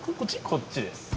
こっちです。